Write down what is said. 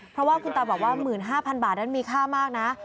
เพราะว่าคุณตาบอกว่า๑๕๐๐บาทนั้นมีค่ามากนะ